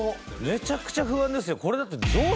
めちゃくちゃ不安ですよ。